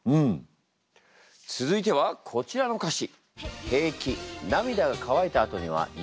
続いてはこちらの歌詞。